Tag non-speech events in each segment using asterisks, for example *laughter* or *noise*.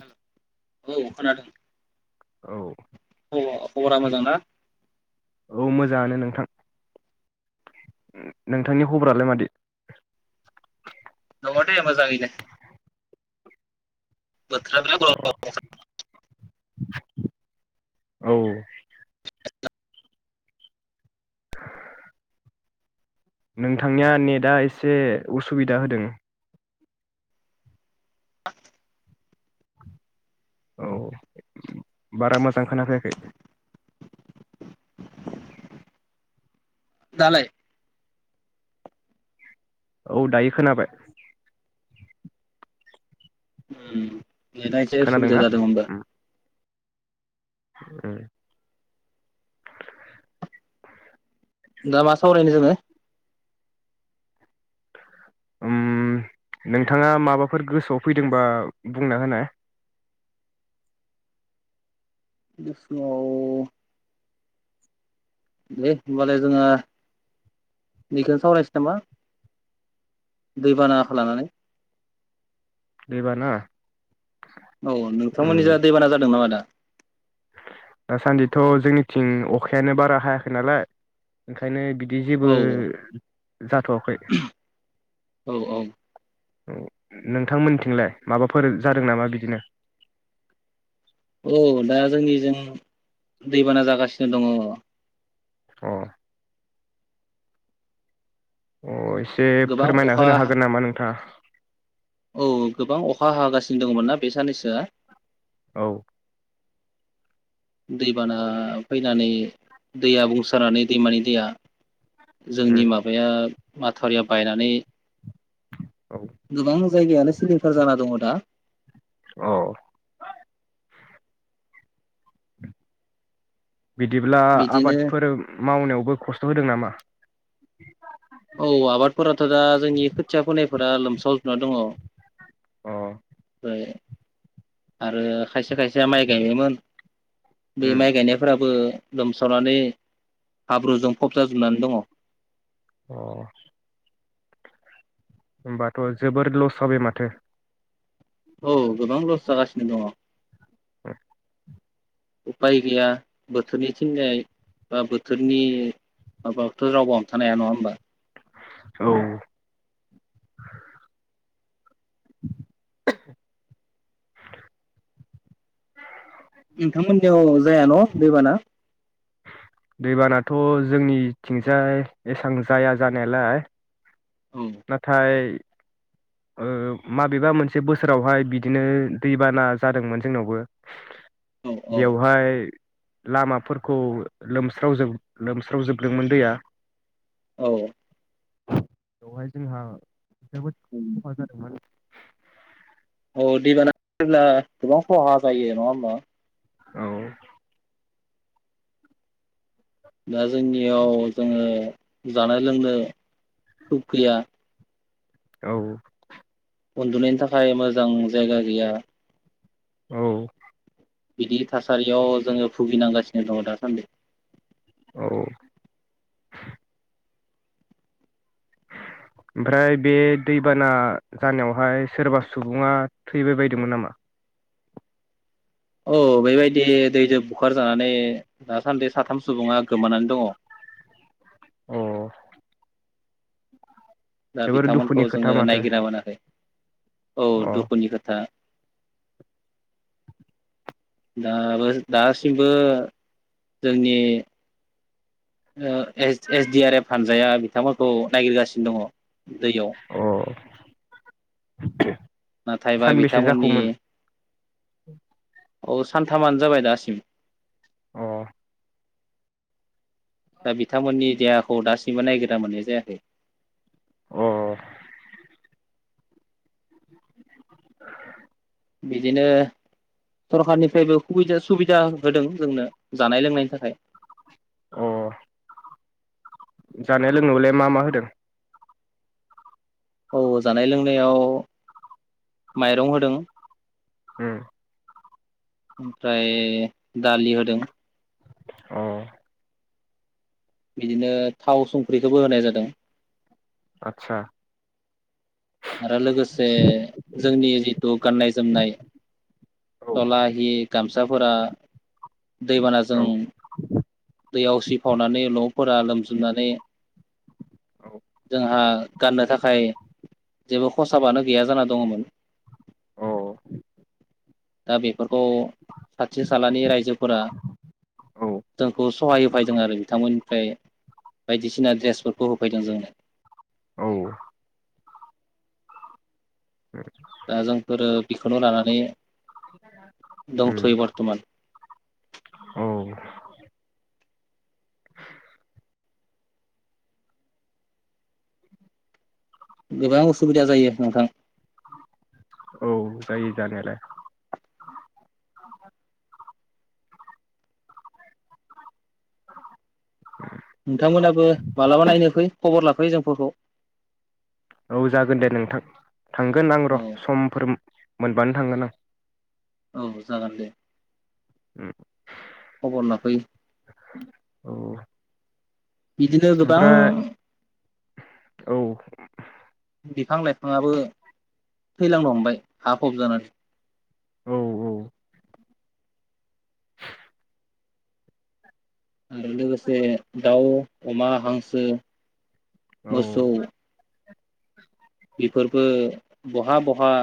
हेल' औ खोनादों। औ। आं खबरा मोजां ना? औ मोजाङानो नोंथां। नोंथांनि खबरालाय मादि? दङ दे मोजाङैनो। बोथोरा *unintelligible* औ। *unintelligible* नोंथांनिया नेटआ एसे उसुबिदा होदों। औ बारा मोजां खोनाफैयाखै? दालाय औ दायो खोनाबाय। नेदा इसे असुबिदा खोनादोंना जादों होनबा। उम उम। दा मा सावरायनो जोङो। उम नोंथाङा माबाफोर गोसोआव फैदोंबा बुंना होनाय। गोसोआव दे होमबालाय जोङो बेखौनो सावरायनोसै नामा दैबानाखौ लानानै। दैबाना औ नोंथांमोननि उम जा दैबाना जादों नामा दा? दासान्दिथ' जोंनिथिं अखायानो बारा हायाखै नालाय ओंखायनो बिदि औ जेबो जाथ'वाखै औ औ औ नोंथांमोननिथिंलाय माबाफोर जादों नामा बिदिनो औ दा जोंनिजों दैबाना जागासिनो दङ। अ अ एसे गोबां फोरमायना अखा होनो हागोन नामा नोंथाङा? औ गोबां अखा हागासिनो दङमोन ना बे साननैसोआ औ दैबाना फैनानै दैया बुंसारनानै दैमानि दैया जोंनि उम माबाया माथावरिया बायनानै गोबां जायगायानो सिलिंखार जाना दङ दा औ बिदिब्ला बिदिनो आबादफोर मावनायावबो खस्थ होदों नामा? औ आबादफोराथ दा जोंनि खोथिया फोनायफोरा लोमसावजोबना दङ। अ बेफ्राय आरो खायसे खाय सेया माइ गायोमोन बे उम माइ गायनायफोराबो लोमसावनानै हाब्रुजों फबजा जोबनानै दङ। अ होमबाथ' जोबोर लस जाबाय माथो औ गोबां लस जागासिनो दङ। उपाय गैया बोथोरनि थिंनाय बा बोथोरनि माबाथ' रावबो हमथानो हाया नङा होमबा। औ नोंथांमोननियाव जायान दैबाना दैबानाथ' जोंनिथिंजाय एसां जाया जानायालाय औ नाथाय ओ माबेबा मोनसे बोसोरावहाय बिदिनो दैबाना जादोंमोन जोंनावबो औ औ बेवहाय लामाफोरखौ लोमस्राव जोब लोमस्राव जोबदोंमोन दैया औ बेवहाय जोंहा जोबोद खहा जादोंमोन। औ दैबाना फैब्ला गोबां खहा जायो नङा होमबा औ दा जोंनियाव जोङो जानाय लोंनो सुख गैया। औ उनदुनायनि थाखाय मोजां जायगा गैया। औ बिदि थासारियाव जोङो भुगिनांगासिनो दङ दासानदि औ ओमफ्राय बे दैबाना जानायावहाय सोरबा सुबुङा थैबाय बायदोंमोन नामा? औ बैबायदि दैदो बुखारजानानै दासानदि साथाम सुबुङा गोमानानै दङ औ दा बिथांमोनखौ दुखुनि खोथा जोङो माथो नायगिरना मोनाखै औ अ दुखुनि खोथा दाबो दासिमबो जोंनि ओ S S D R F हानजाया बिथांमोनखौ नायगिरगासिनो दङ दैयाव अ नाथायबा सानबेसे बिथांमोननि जाखौमोन *unintelligible* औ सानथामानो जाबाय दासिम अ दा बिथांमोननि देहाखौ दासिमबो नायगिरना मोननाय जायाखै अ बिदिनो सरखारनिफ्रायबो खुबिदा सुबिदा होदों जोंनो जानाय लोंनायनि थाखाय अ जानाय लोंनायावलाय मा मा होदों औ जानाय लोंनायाव माइरं होदों उ ओमफ्राय दालि होदों औ बिदिनो थाव संख्रिखौबो होनाय जादों आतसा आरो लोगोसे जोंनि जिथु गाननाय जोमनाय औ सला हि गामसा साफोरा दैबानाजों औ दैआ उसिफावनानै न'फोरा लोम थुमनानै औ जोंहा गाननो थाखाय जेबो खसाबानो गैया जाना दङमोन औ दा बे फोरखौ खाथि खालानि रायजोफोरा औ जोंखौ सहाय होफैदों आरो बिथांमोननिफ्राय बायदिसिना दड्रेसफोरखौ होफैदों जोंनो औ *inaudible* दा जोंफोरो बेखौनो लानानै उम दंथयो बरथमान औ गोबां उसुबिदा जायो नोंथां औ जायो जानायालाय *inaudible* नोंथांमोनाबो मालाबा नायनो फै खबर लाफैयो जोंफोरखौ औ जागोन दे नोंथां थांगोन आं र' औ समफोर मोनबानो थांगोन आं। औ जागोन दे। *inaudible* खबर लाफै। औ बिदिनो गोबां ओमफ्राय औ बिफां-लाइफाङाबो थैलांनो हमबाय हा फबजानानै जानानै औ औ। आरो लोगोसे दाउ अमा हांसो औ मोसौ। बेफोरबो बहा बहा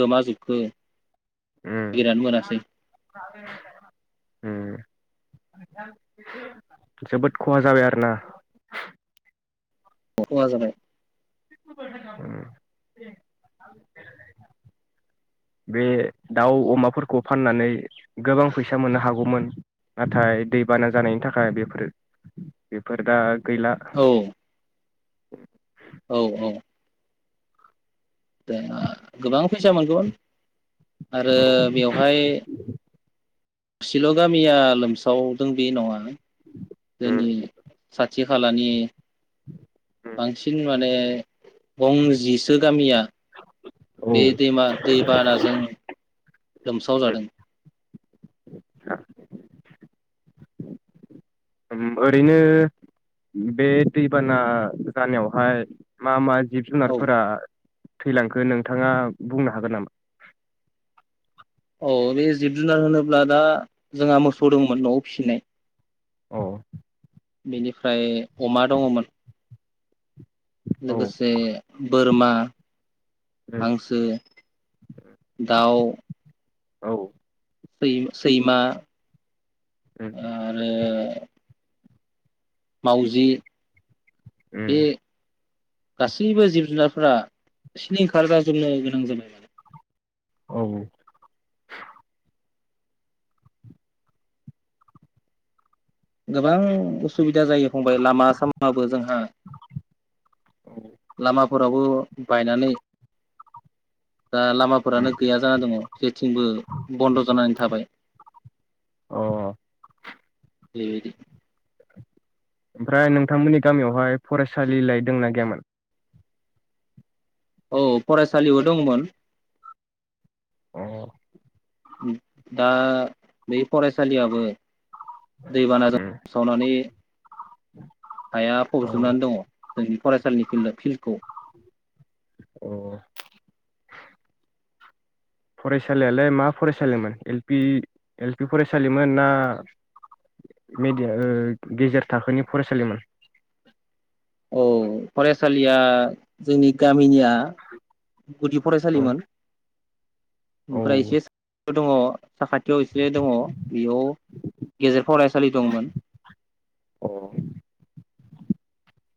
गोमाजोबखो उम गिरना मोनासै। ओम जोबोद खहा जाबाय आरो ना। खहा जाबाय। *unintelligible* बे दाउ अमाफोरखौ फाननानै गोबां फैसा मोननो हागौमोन नाथाय दैबाना जानायनि थाखाय बेफोरो बेफोर दा गैला *inaudible* औ औ औ। देहा गोबां फैसा मोनगोमोन। आरो औ बेवहाय गंसेल' गामिया लोमसावदों बे नङा। उम जोंनि खाथि खालानि बांसिन माने गंजिसो गामिया औ बे दैमा दैबानाजों लोमसाव जादों उम ओरैनो बे दैबाना जानायावहाय मा मा औ जिब-जुनारफोरा थैलांखो नोंथाङा बुंनो हागोन नामा? औ बे जिब जुनार होनोब्ला दा जोंहा मोसौ दंमोन न'आव फिसिनाय औ। बेनिफ्राय अमा दङमोन। औ लोगोसे बोरमा हांसो दाउ औ। सै सैमा उम आरो माउजि उम गासैबो जिब जुनारफोरा सिलिंखार जाजोबनो गोनां जाबाय औ गोबां उसुबिदा जायो फंबाय लामा सामाबो जोंहा लामाफोरावबो बायनानै दा अ लामाफोरानो गैया जाना दङ थिंबो बन्द' जानानै थाबाय ओमफ्राय दैबायदि ओमफ्राय नोंथांमोननि गामियावहाय फरायसालिलाय दोंना गैयामोन औ फरायसालिबो दंमोन अ दा बै फरायसालियाबो दैबानाजों उम सावनानै हाया औ फबजोबनानै दङ जोंनि फरायसालिनि फिल्ड फिल्डखौ अ फरायसालियालाय मा फरायसालिमोन एलपि फरायसालिमोन ना गेजेर थाखोनि फरायसालिमोन औ फराय सालिया जोंनि गामिनिया *inaudible* गुदि औ फरायसालिमोन औ ओमफ्राय एसे दङ साखाथियाव एसे दङ बेयाव गेजेर फरायसालि दंमोन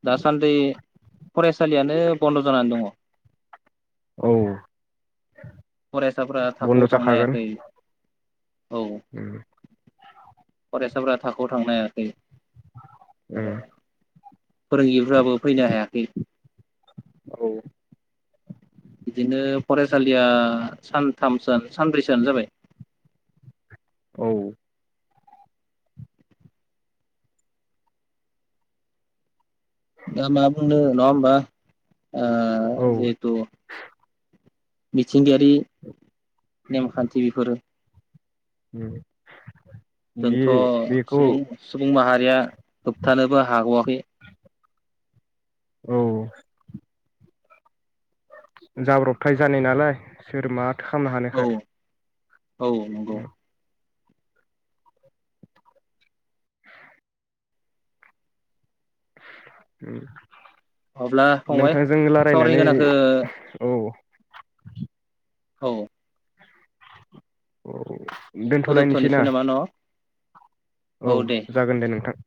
दासान्दि फरायसालियानो बन्द' जानानै दङ औ फरायसाफोरा थाखोआव बन्द' थांनो जाखागोन हायाखै औ उम फरायसाफोरा थाखोआव थांनो हायाखै उम आरो फोरोंगिरिफ्राबो फैनो हायाखै औ बिदिनो फरायसालिया सानथामसान सानब्रैसोयानो जाबाय औ दा मा बुंनो नङा होमबा आ औ जिहेथु मिथिंगायारि नेमखान्थि बेफोरो *unintelligible* जोंथ' बे बेखौ सुबुं सुबुं माहारि आ होबथानोबो हागवाखै औ जाब्रबथाय जानाय नालाय सोरबा खालामनो औ हानायखाय औ नंगौ उम उम अब्ला फंबाय नोंथांजों सावरायनो रायलायनानै गोनांखौ औ औ *inaudible* दोनथ'लायनोसै ना फोजोबथ'नोसै नामा न' औ जागोन दे नोंथां *inaudible*